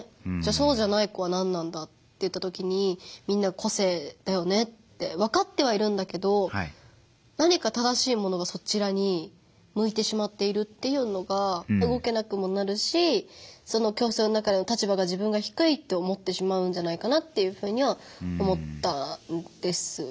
そうじゃない子は何なんだっていったときにみんな個性だよねって分かってはいるんだけど何か正しいものがそちらにむいてしまっているというのが動けなくもなるし教室の中での立場が自分がひくいって思ってしまうんじゃないかなっていうふうには思ったんですよね。